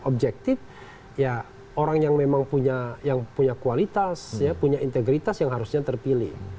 objektif ya orang yang memang punya kualitas punya integritas yang harusnya terpilih